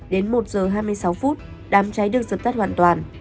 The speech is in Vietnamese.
đến một giờ hai mươi sáu phút đám cháy được dập tắt hoàn toàn